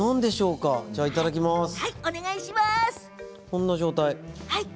こんな状態。